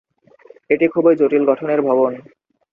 এটি খুবই জটিল গঠনের ভবন।